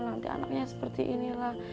nanti anaknya seperti inilah